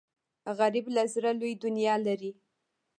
غریب له زړه لوی دنیا لري